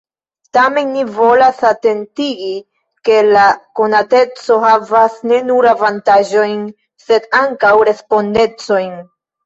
Tamen ni volas atentigi, ke la konateco havas ne nur avantaĝojn, sed ankaŭ respondecojn.